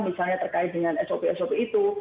misalnya terkait dengan sop sop itu